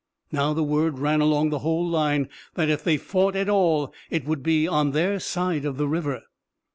Now the word ran along the whole line that if they fought at all it would be on their side of the river.